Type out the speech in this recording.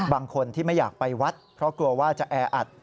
บางคนที่ไม่อยากไปวัดเพราะกลัวว่าจะแออัด